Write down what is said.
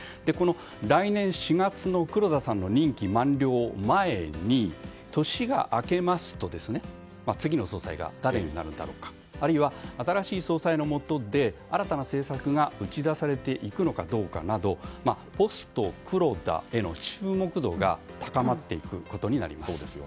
来年４月の黒田さんの任期満了前に年が明けますと次の総裁が誰になるんだろうかあるいは新しい総裁のもとで新たな政策が打ち出されていくのかどうかなどポスト黒田への注目度が高まっていくことになります。